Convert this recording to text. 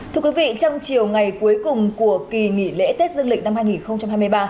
thưa quý vị trong chiều ngày cuối cùng của kỳ nghỉ lễ tết dương lịch năm hai nghìn hai mươi ba